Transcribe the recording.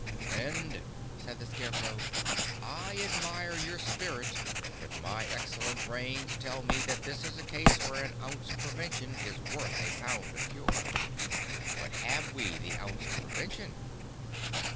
"Friend," said the Scarecrow, "I admire your spirit but my excellent brains tell me that this is a case where an ounce of prevention is worth a pound of cure. But have we the ounce of prevention?"